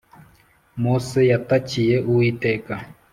mose yatakiye uwiteka.